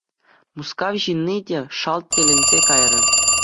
Мускав ҫынни те шалт тӗлӗнсе кайрӗ.